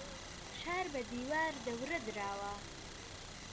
شار بە دیوار دەورە دراوە.